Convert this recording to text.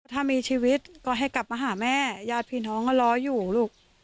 ถ้ามีชีวิตก็ให้กลับมาหาแม่ญาติพี่น้องก็รออยู่ลูก